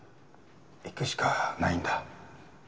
行くしかないんだ。